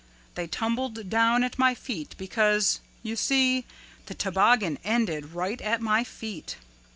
They tumbled down at my feet because, you see, the toboggan ended right at my feet.